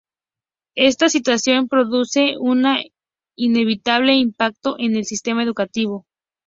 Esa situación produce un inevitable impacto en el sistema educativo.